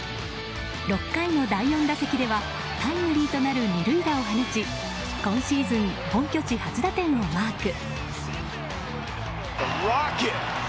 ６回の第４打席ではタイムリーとなる２塁打を放ち今シーズン本拠地初打点をマーク。